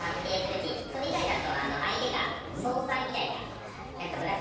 それ以外だと相手がソウサイみたいな。